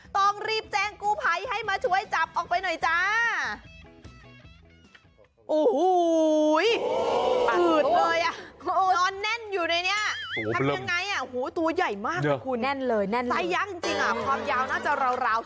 ต้องรีบแจ้งกู้ภัยให้มาช่วยจับออกไปหน่อยจ้า